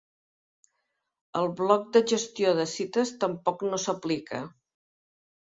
El bloc de gestió de cites tampoc no s'aplica.